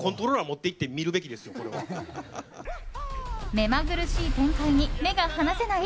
目まぐるしい展開に目が離せない？